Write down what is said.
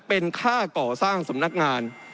เป็นค่าก่อสร้างสำนักงาน